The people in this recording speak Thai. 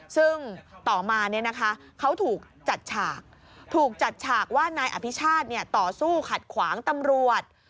ซึ่งต่อมาเขาถูกจัดฉากถูกจัดฉากว่านายอภิชาติต่อสู้ขัดขวางตำรวจ